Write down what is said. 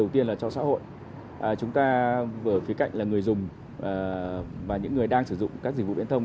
phía cạnh là người dùng và những người đang sử dụng các dịch vụ biển thông